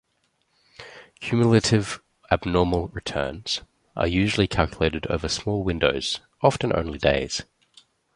Cumulative Abnormal Returns are usually calculated over small windows, often only days.